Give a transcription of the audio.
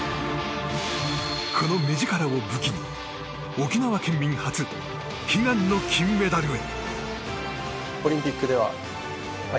この目力を武器に沖縄県民初の悲願の金メダルへ。